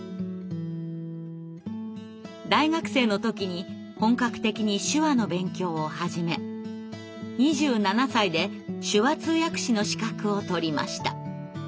大学生の時に本格的に手話の勉強を始め２７歳で手話通訳士の資格を取りました。